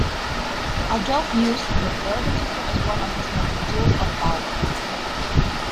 Adolf used the feudal system as one of his major tools of power.